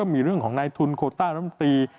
มีเรื่องของนายทุนโคต้ารำตี